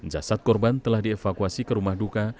jasad korban telah dievakuasi ke rumah duka